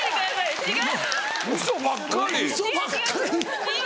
違う！